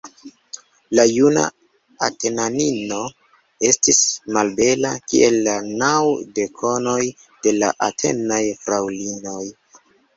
La juna Atenanino estis malbela, kiel la naŭ dekonoj de la Atenaj fraŭlinoj.